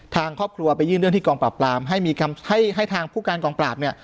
ทางครอบครัวไปยื่นเรื่องที่กองปราบปรามให้ทางผู้การกองปราบ